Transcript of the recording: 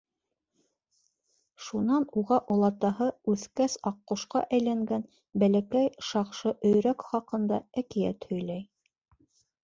Шунан уға олатаһы үҫкәс аҡҡошҡа әйләнгән бәләкәй шаҡшы өйрәк хаҡында әкиәт һөйләй.